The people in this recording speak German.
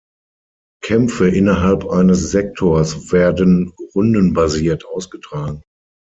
Kämpfe innerhalb eines Sektors werden rundenbasiert ausgetragen.